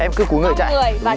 em cứ cúi người chạy